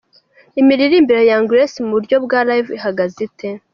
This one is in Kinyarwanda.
Imiririmbire ya Young Grace mu buryo bwa Live ihagaze ite ?.